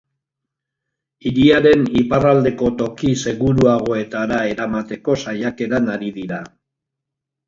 Hiriaren iparraldeko toki seguruagoetara eramateko saiakeran ari dira.